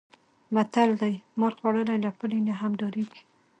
متل دی: مار خوړلی له پړي نه هم ډارېږي.